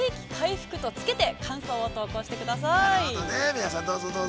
皆さんどうぞどうぞ。